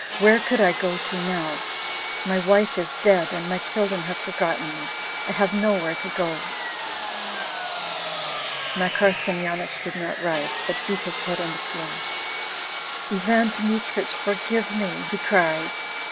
Where could I go to now?... My wife is dead, and my children have forgotten me. I have nowhere to go..." Makar Semyonich did not rise, but beat his head on the floor. "Ivan Dmitrich, forgive me!" he cried.